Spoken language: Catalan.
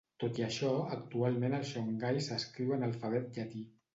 Tot i això, actualment el shongai s'escriu en alfabet llatí.